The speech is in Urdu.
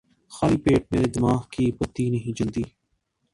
خالی پیٹ میرے دماغ کی بتی نہیں جلتی